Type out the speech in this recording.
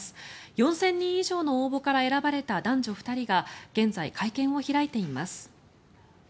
４０００人以上の応募から選ばれた男女２人が現在、会見を開いています。